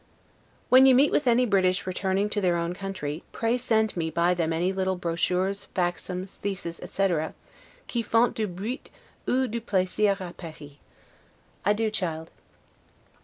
When you meet with any British returning to their own country, pray send me by them any little 'brochures, factums, theses', etc., 'qui font du bruit ou du plaisir a Paris'. Adieu, child.